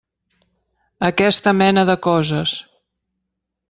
Aquesta mena de coses.